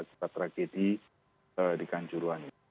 kita tragedi di kanjurwani